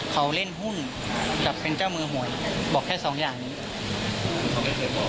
เขาเล่นหุ้นภารกิจการจะเป็นเจ้ามือหวยบอกแค่สองอย่างนี้